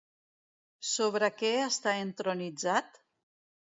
Sobre què està entronitzat?